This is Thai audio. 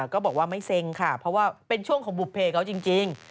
ก็บอกว่าไม่เซ็งค่ะเพราะว่าเป็นช่วงของบุภเพเขาจริง